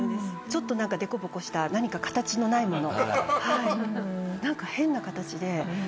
ちょっと何か凸凹した何か形のないもの。